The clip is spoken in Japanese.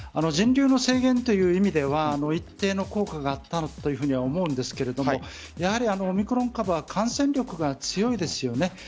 人流の制限という意味では一定の効果があったというふうに思うんですがオミクロン株は感染力が強いですよね。